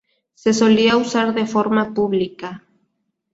Se solía usar de forma pública.